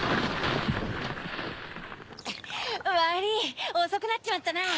ドンわりぃおそくなっちまったな。